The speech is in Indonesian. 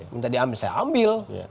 minta diambil saya ambil